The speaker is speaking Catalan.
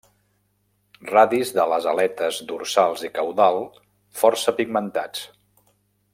Radis de les aletes dorsal i caudal força pigmentats.